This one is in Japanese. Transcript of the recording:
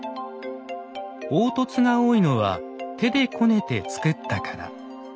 凹凸が多いのは手でこねて作ったから。